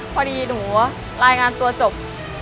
พอดีหนูรายงานตัวจบ